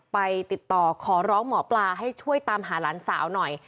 ไปติดต่อขอร้องหมอปลาให้ช่วยตามหาหลานสาวหน่อย